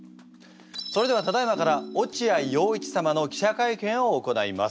それではただいまから落合陽一様の記者会見を行います。